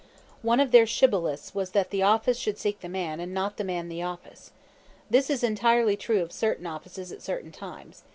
One of their shibboleths was that the office should seek the man and not the man the office. This is entirely true of certain offices at certain times.